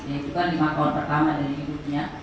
yaitu kan lima tahun pertama dari ibu punya